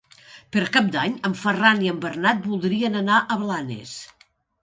Per Cap d'Any en Ferran i en Bernat voldrien anar a Blanes.